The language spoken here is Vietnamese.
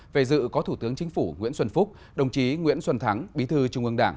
về dự có thủ tướng chính phủ nguyễn xuân phúc đồng chí nguyễn xuân thắng bí thư trung ương đảng